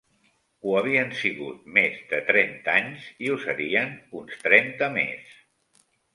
Ho havien sigut més de trenta anys i ho serien uns trenta més